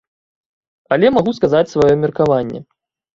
Але магу сказаць сваё меркаванне.